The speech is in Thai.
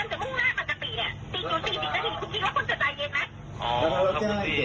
เราจัดบุลเป็นไปอย่างเกิน